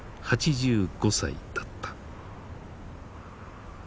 ８５歳だった。